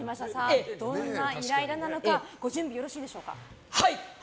どんなイライラなのかご準備よろしいでしょうか。